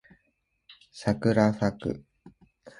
さくらさく